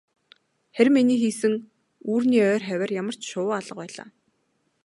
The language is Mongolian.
Харин миний хийсэн үүрний ойр хавиар ямарч шувуу алга байлаа.